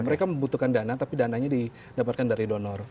mereka membutuhkan dana tapi dananya didapatkan dari donor